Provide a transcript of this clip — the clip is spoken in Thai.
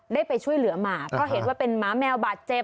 ได้ไปช่วยเหลือมาก็เห็นว่าเป็นหมาแมวบาดเจ็บ